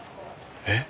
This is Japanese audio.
えっ！？